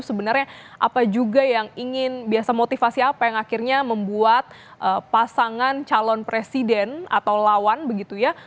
sebenarnya apa juga yang ingin biasa motivasi apa yang akhirnya membuat pasangan calon presiden atau lawan begitu ya